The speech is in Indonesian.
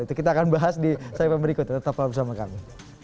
itu kita akan bahas di segmen berikut tetaplah bersama kami